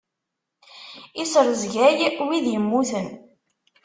Isrezgay wid immuten.